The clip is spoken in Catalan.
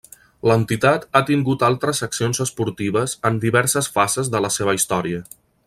L'entitat ha tingut altres seccions esportives en diverses fases de la seva història.